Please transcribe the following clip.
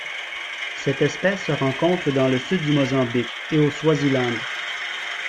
Cette espèce se rencontre dans le sud du Mozambique et au Swaziland.